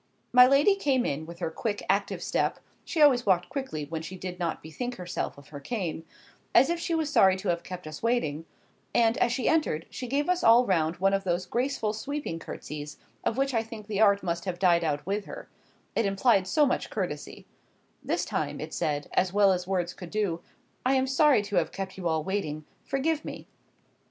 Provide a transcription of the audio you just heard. My lady came in, with her quick active step—she always walked quickly when she did not bethink herself of her cane—as if she was sorry to have us kept waiting—and, as she entered, she gave us all round one of those graceful sweeping curtsies, of which I think the art must have died out with her,—it implied so much courtesy;—this time it said, as well as words could do, "I am sorry to have kept you all waiting,—forgive me."